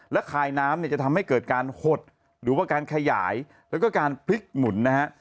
และคายน้ำเนี่ยจะทำให้เกิดการหดหรือว่าการขยายแล้วก็การพลิกหมุนนะฮะ